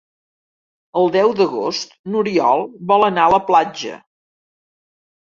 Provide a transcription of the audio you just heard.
El deu d'agost n'Oriol vol anar a la platja.